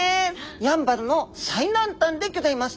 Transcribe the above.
やんばるの最南端でギョざいます